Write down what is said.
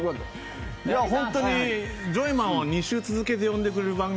本当に、ジョイマンを２週続けて呼んでくれる番組